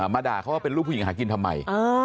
ด่าเขาว่าเป็นลูกผู้หญิงหากินทำไม